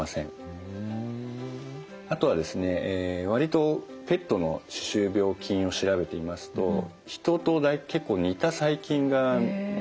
あとはですね割とペットの歯周病菌を調べていますと人と結構似た細菌が見つかってるんですよね。